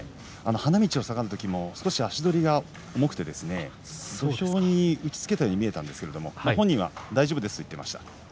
花道を下がる時も少し足取りが重くて土俵に打ちつけたように見えたんですけれども、本人は大丈夫ですと言っていました。